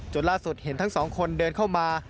ล่าสุดเห็นทั้งสองคนเดินเข้ามา